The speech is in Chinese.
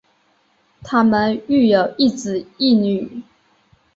她们育有一子一女。